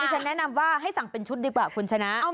อย่างนั้นต้องในแนะนำว่าให้สั่งเป็นชุดดีกว่าขนาดนี้